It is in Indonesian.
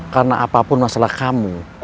karena apapun masalah kamu